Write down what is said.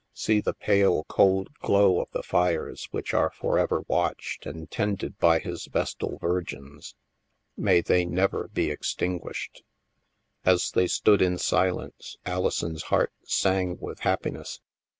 See the pale cold glow of the fires which are forever watched and tended by his Vestal Virgins. May they never be extinguished !" As they stood in silence, Alison's heart sang with happiness.